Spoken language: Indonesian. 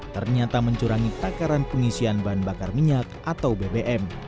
ternyata mencurangi takaran pengisian bahan bakar minyak atau bbm